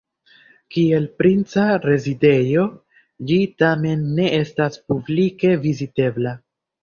Kiel princa rezidejo ĝi tamen ne estas publike vizitebla.